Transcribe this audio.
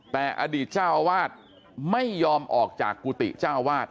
แต่อดีตเจ้าอาวาสไม่ยอมออกจากกุฏิเจ้าวาด